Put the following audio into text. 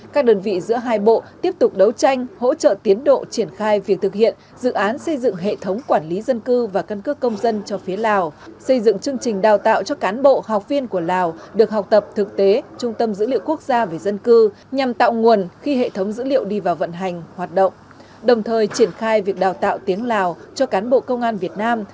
các đơn vị giữa hai bộ tiếp tục đấu tranh hỗ trợ tiến độ triển khai việc thực hiện dự án xây dựng hệ thống quản lý dân cư và cân cước công dân cho phía lào xây dựng chương trình đào tạo cho cán bộ học viên của lào được học tập thực tế trung tâm dữ liệu quốc gia về dân cư nhằm tạo nguồn khi hệ thống dữ liệu đi vào vận hành hoạt động đồng thời triển khai việc đào tạo tiếng lào cho cán bộ công an việt nam